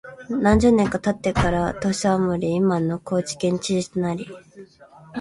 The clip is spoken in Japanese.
何十年か経ってから土佐守（いまの高知県知事）となり、